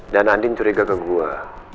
dan andin curiga ke gue